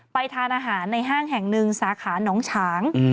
ทานอาหารในห้างแห่งหนึ่งสาขาน้องฉาง